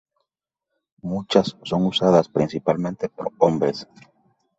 Muchas son usadas principalmente por hombres.